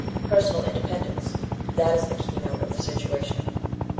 "Personal independence that is the keynote of the situation.